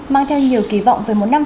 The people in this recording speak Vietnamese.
mang theo nhiều kỳ vọng về một năm